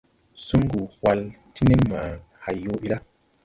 Sungu whal ti nenmaʼa hay yõõ bi la.